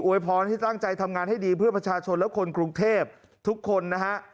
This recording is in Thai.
พรให้ตั้งใจทำงานให้ดีเพื่อประชาชนและคนกรุงเทพทุกคนนะฮะ